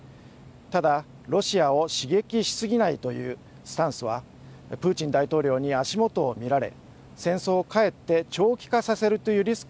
ただロシアを刺激しすぎないというスタンスはプーチン大統領に足元を見られ戦争をかえって長期化させるというリスクもはらんでいます。